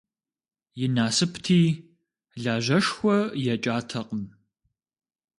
И насыпти, лажьэшхуэ екӀатэкъым.